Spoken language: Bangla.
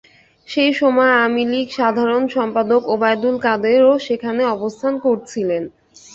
সেই সময় আওয়ামী লীগ সাধারণ সম্পাদক ওবায়দুল কাদেরও সেখানে অবস্থান করছিলেন।